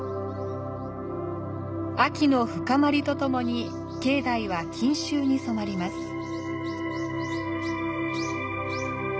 秋の深まりとともに境内は錦秋に染まります。